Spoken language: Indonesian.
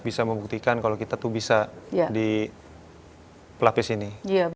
bisa membuktikan kalau kita tuh bisa di pelapis ini